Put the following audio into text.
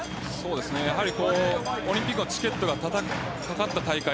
やはりオリンピックのチケットが懸かった大会。